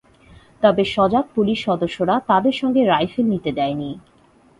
তবে সজাগ পুলিশ সদস্যরা তাদের সঙ্গে রাইফেল নিতে দেয়নি।